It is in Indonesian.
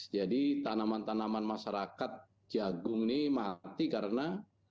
jadi tanaman tanaman masyarakat jagung ini mati karena